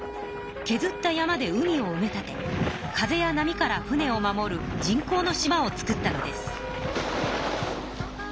けずった山で海をうめ立て風や波から船を守る人工の島を造ったのです。